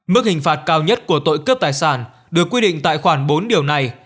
mức hình phạt cao nhất của tội cướp tài sản được quy định tại khoản bốn điều này